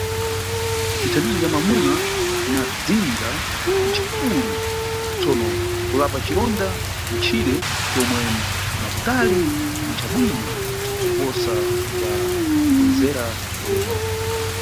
Cithandizo ca mamuna na dzindza nchi kulu, tsono kulapa cironda nchire comwe na kutali ncha bwino kuposa ca kubwezera ulemu.